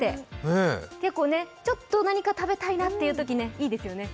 ちょっと何か食べたいっていうときにいいですよね。